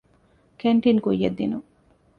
ކެންޓީން ކުއްޔަށްދިނުން